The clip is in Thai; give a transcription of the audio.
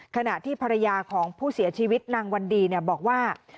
ขณะที่ภรรยาของผู้เสียชีวิตนางวันดีบอกว่า